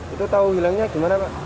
itu tahu hilangnya gimana pak